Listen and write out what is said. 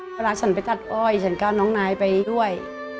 เวลาฉันไปตัดอ้อยฉันก็เอาน้องนายไปด้วย